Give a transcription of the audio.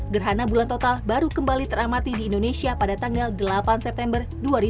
gerhana bulan total baru kembali teramati di indonesia pada tanggal delapan september dua ribu dua puluh